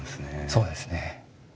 そうですね。